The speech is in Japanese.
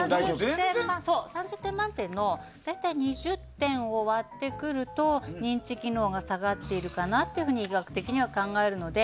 ３０点満点の大体２０点を割ってくると認知機能が下がっていると医学的には考えるので。